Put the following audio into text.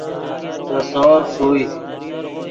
دے سور ݰوئے